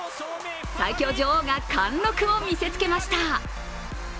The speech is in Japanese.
最強女王が貫禄を見せつけました。